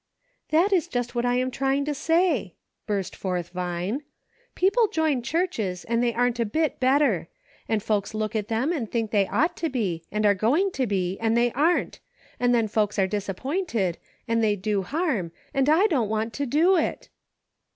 " That is just what I am trying to say," burst forth Vine ;" people join churches and they aren't a bit better ; and folks look at them and think they ought to be, and are going to be, and they aren't, and then folks are disappointed, and they do harm, and I don't want to do it."